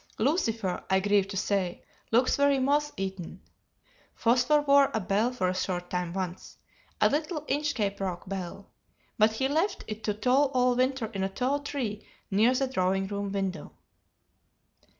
Lucifer, I grieve to say, looks very moth eaten. Phosphor wore a bell for a short time once a little Inch Cape Rock bell but he left it to toll all winter in a tall tree near the drawing room window.